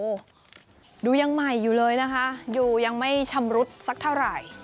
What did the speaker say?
โอ้โหดูยังใหม่อยู่เลยนะคะอยู่ยังไม่ชำรุดสักเท่าไหร่